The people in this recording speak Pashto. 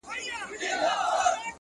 زما د ژوند پر فلسفې خلگ خبري كوي.!